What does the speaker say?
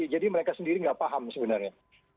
jadi mereka sendiri nggak paham sebenarnya